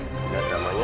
biar dia malu